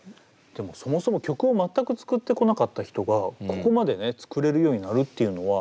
でもそもそも曲を全く作ってこなかった人がここまでね作れるようになるっていうのは何なんでしょうね。